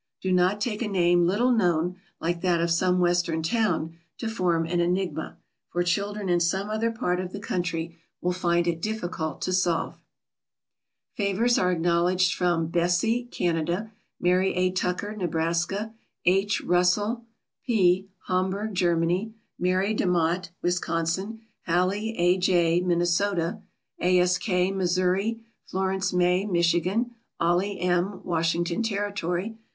Do not take a name little known, like that of some Western town, to form an enigma, for children in some other part of the country will find it difficult to solve. Favors are acknowledged from "Bessie," Canada; Mary A. Tucker, Nebraska; H. Russell P., Homburg, Germany; Mary De Motte, Wisconsin; Hallie A. J., Minnesota; A. S. K., Missouri; Florence May, Michigan; Ollie M., Washington Territory.